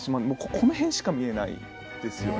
この辺しか見えないんですよね。